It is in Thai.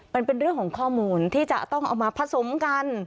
มันเป็นเรื่องของข้อมูลที่จะต้องเอามาผสมกัน